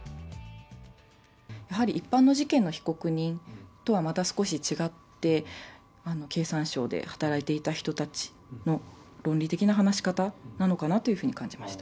やはり一般の事件の被告人とはまた少し違って、経産省で働いていた人たちの論理的な話し方なのかなというふうに感じました。